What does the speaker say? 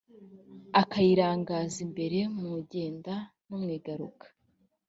akayirangaza imbere mu igenda no mu igaruka.